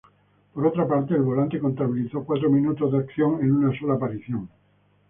Por otra parte, el volante contabilizó cuatro minutos de acción en una sola aparición.